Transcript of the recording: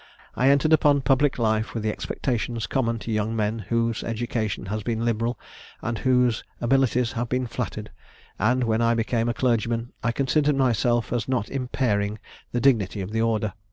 I entered upon public life with the expectations common to young men whose education has been liberal, and whose abilities have been flattered; and, when I became a clergyman, I considered myself as not impairing the dignity of the order.